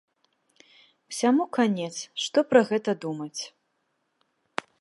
Усяму канец, што пра гэта думаць!